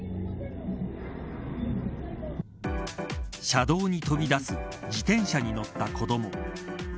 車道に飛び出す自転車に乗った子ども。